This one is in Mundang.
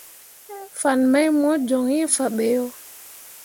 Fan mai mo joŋ iŋ faɓeʼ yo.